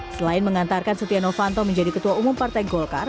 selain mengantarkan setia novanto menjadi ketua umum partai golkar